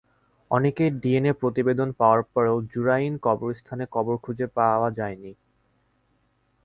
অনেকের ডিএনএ প্রতিবেদন পাওয়ার পরও জুরাইন কবরস্থানে কবর খুঁজে পাওয়া যায়নি।